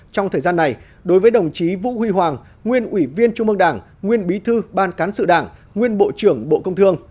trong thời gian này đối với đồng chí vũ huy hoàng nguyên ủy viên trung mương đảng nguyên bí thư ban cán sự đảng nguyên bộ trưởng bộ công thương